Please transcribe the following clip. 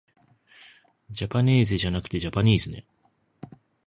じゃぱねーぜじゃなくてじゃぱにーずね